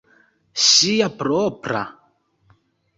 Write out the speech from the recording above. Ŝia propra?